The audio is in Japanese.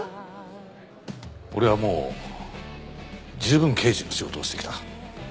俺はもう十分刑事の仕事をしてきた。